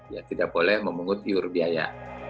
ya tidak boleh memungut iur biaya